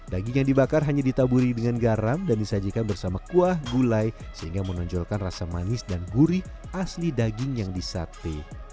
daging yang dibakar hanya ditaburi dengan garam dan disajikan bersama kuah gulai sehingga menonjolkan rasa manis dan gurih asli daging yang disate